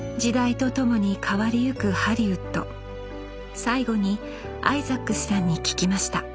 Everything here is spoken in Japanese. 最後にアイザックスさんに聞きました